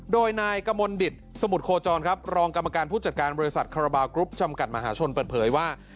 โดยนายกมลดิตสมุทรโคจรครับรองกรรมการผู้จัดการบริษัทคาราบาลกรุ๊ปจำกัดมหาชนเปิดเผยว่า